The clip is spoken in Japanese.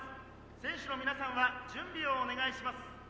選手の皆さんは準備をお願いします」。